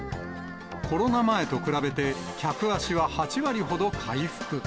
コロナ前と比べて、客足は８割ほど回復。